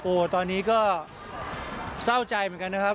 โอ้โหตอนนี้ก็เศร้าใจเหมือนกันนะครับ